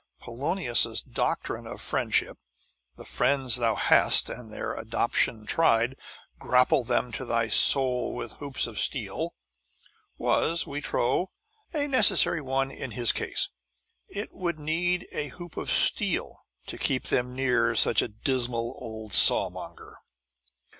Polonius's doctrine of friendship "The friends thou hast, and their adoption tried, grapple them to thy soul with hoops of steel" was, we trow, a necessary one in his case. It would need a hoop of steel to keep them near such a dismal old sawmonger.